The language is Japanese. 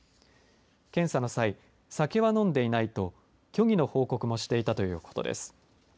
検査の際、酒は飲んでいないと虚偽の報告もしていたということです。